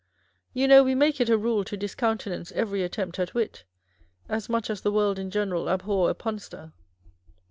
You know we make it a rule to discoun tenance every attempt at wit, as much as the world in general abhor a punster.